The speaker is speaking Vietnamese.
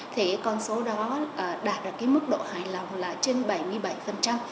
thì cái con số đó đạt được cái mức độ hài lòng là trên bảy mươi bảy